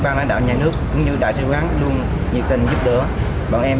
ban lãnh đạo nhà nước cũng như đại sứ quán luôn nhiệt tình giúp đỡ bọn em